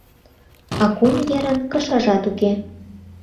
А кум ерын кышажат уке!